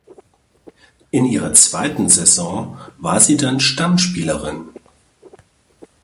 In ihrer zweiten Saison war sie dann Stammspielerin.